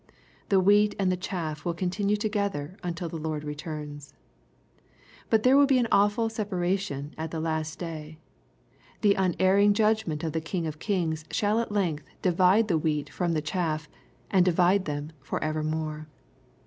The wheat and the chaff will continue togetheruntil the Lord returns. But there will be an awful separation at the last day The unerring judgment of the King of kings shall at length divide the wheat from the chaff, and divide them for evermore.